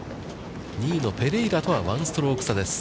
２位のペレイラとは１ストローク差です。